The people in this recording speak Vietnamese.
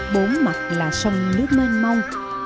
bốn mặt là sông nước mênh mông